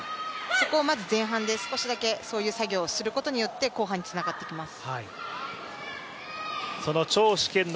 そこをまず前半で、少しだけそういう作業をすることによって後半につながってきます。